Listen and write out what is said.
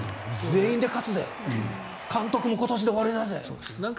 全員で勝つぜ監督も今年で終わりだぜ。